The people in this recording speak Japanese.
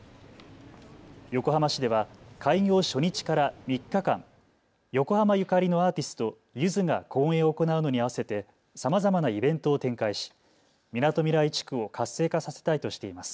横浜市では開業初日から３日間、横浜ゆかりのアーティスト、ゆずが公演を行うのに合わせてさまざまなイベントを展開しみなとみらい地区を活性化させたいとしています。